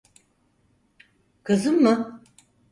Kızım mı?